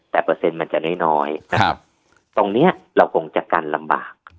แต่เปอร์เซ็นต์มันจะน้อยนะครับตรงนี้เราคงจะกันลำบาก